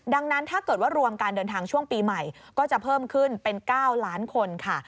ดังนั้นถ้าเกิดว่ารวมการเดินทางช่วงปีใหม่ก็จะเพิ่มขึ้นเป็น๙ล้านคนค่ะ